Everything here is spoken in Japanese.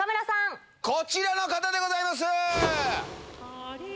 こちらの方でございます。